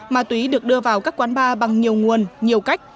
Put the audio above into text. ma túy được đưa vào các quán bar bằng nhiều nguồn nhiều cách